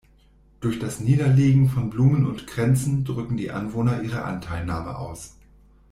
Durch das Niederlegen von Blumen und Kränzen drücken die Anwohner ihre Anteilnahme aus.